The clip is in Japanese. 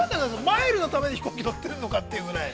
マイルのために飛行機乗ってんのかというぐらい。